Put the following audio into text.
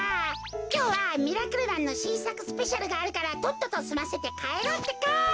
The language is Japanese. きょうは「ミラクルマン」のしんさくスペシャルがあるからとっととすませてかえろうってか。